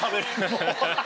ハハハハ。